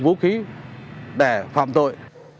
vũ khí để phạm tội